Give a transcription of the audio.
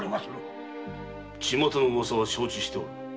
巷の噂は承知しておる。